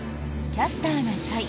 「キャスターな会」。